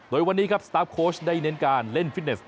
โดยวันนี้ครับสตาร์ฟโค้ชได้เน้นการเล่นฟิตเนส